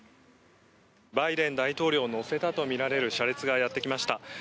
バイデン大統領を乗せたとみられる車列がやってきました。